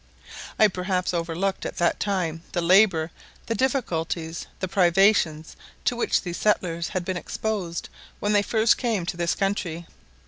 I perhaps overlooked at that time the labour, the difficulties, the privations to which these settlers had been exposed when they first came to this country.